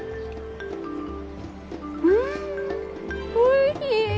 うんおいしい！